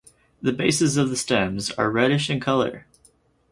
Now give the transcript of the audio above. The bases of the stems are reddish in color.